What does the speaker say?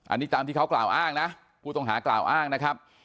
อันนี้ตามที่เขากล่าวอ้างนะผู้ต้องหากล่าวอ้างนะครับ